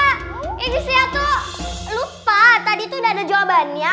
ini justriatu lupa tadi ituh udah ada jawabannya